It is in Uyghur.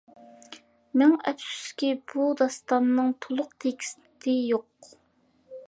مىڭ ئەپسۇسكى بۇ داستاننىڭ تولۇق تېكىستى يوق.